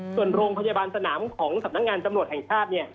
ส่วนโรงพยาบาลสนามของสำนักงานตำรวจแห่งชาติ